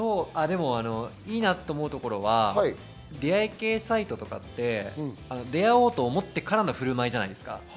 いいなと思うところは出会い系サイトとかって出会おうと思ってからの振る舞いじゃないですか。